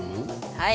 はい。